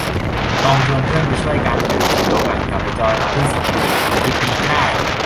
ลองชวนเพื่อนไปช่วยกัน หรือถือโอกาสกลับไปจอยกับเพื่อนสมัยเด็กวันอาทิตย์นี้ก็ได้